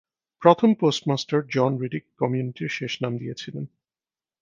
প্রথম postmaster John Riddick কমিউনিটির শেষ নাম দিয়েছিলেন।